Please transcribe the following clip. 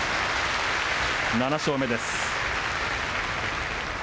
７勝目です。